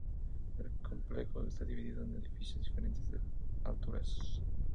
El complejo está dividido en edificios de diferentes alturas.